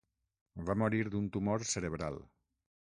Va morir d'un tumor cerebral.